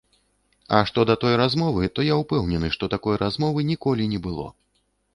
А што да той размовы, то я ўпэўнены, што такой размовы ніколі не было.